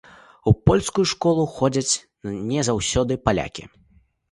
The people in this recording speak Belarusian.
У польскую школу ходзяць не заўсёды палякі.